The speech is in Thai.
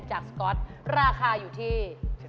สก๊อตราคาอยู่ที่